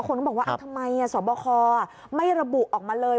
คนก็บอกว่าทำไมสบคไม่ระบุออกมาเลย